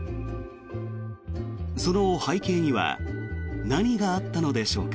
その背景には何があったのでしょうか。